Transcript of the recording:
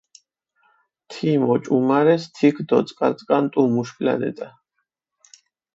თიმ ოჭუმარეს თიქ დოწკარწკანტუ მუშ პლანეტა.